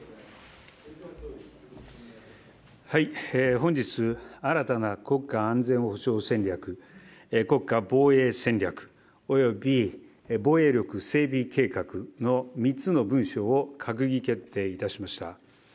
本日、新たな国家安全保障戦略、国家防衛戦略、および防衛力整備計画の３つの文書を閣議決定いたしました。